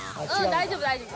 大丈夫大丈夫。